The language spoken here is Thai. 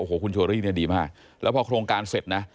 โอ้โหคุณเชอรี่เนี่ยดีมากแล้วพอโครงการเสร็จนะ